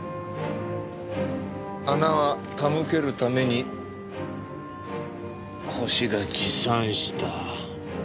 花は手向けるためにホシが持参した。